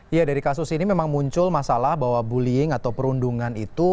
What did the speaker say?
ya dari kasus ini memang muncul masalah bahwa bullying atau perundungan itu